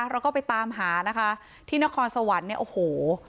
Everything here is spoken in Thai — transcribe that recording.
เราก็ไปตามหานะคะที่นครสวรรค์เนี่ยโอ้โห